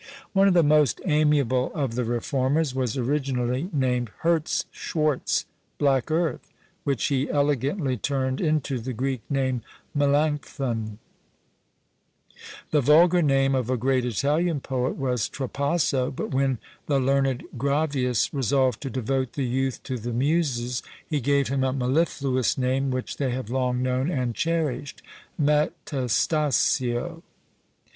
One of the most amiable of the reformers was originally named Hertz Schwartz (black earth), which he elegantly turned into the Greek name Melancthon. The vulgar name of a great Italian poet was Trapasso; but when the learned Gravius resolved to devote the youth to the muses, he gave him a mellifluous name, which they have long known and cherished Metastasio.